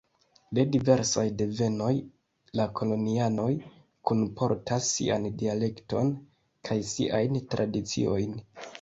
De diversaj devenoj, la kolonianoj kunportas sian dialekton kaj siajn tradiciojn.